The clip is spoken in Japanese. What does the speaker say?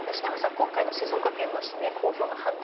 今回の静岡県の氏名公表の判断